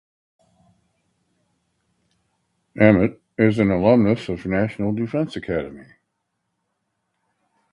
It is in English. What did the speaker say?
Amit is an alumnus of National Defence Academy.